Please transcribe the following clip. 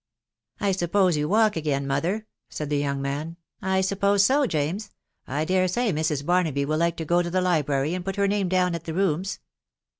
I suppose you walk again, mother.?" said the young wan. " I suppose so, James. I dare soy Mrs. Baroahy will like to go to the library and put her name d*wn at the rooms."